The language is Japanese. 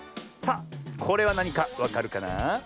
さあこれはなにかわかるかなあ？